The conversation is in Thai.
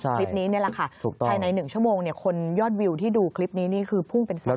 คลิปนี้นี่แหละค่ะภายในหนึ่งชั่วโมงคนยอดวิวที่ดูคลิปนี้คือพุ่งเป็นสาธารณะ